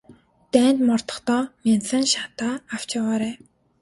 Дайнд мордохдоо мяндсан шатаа авч яваарай.